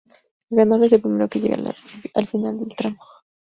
El ganador es el primero que llegue al final del tramo.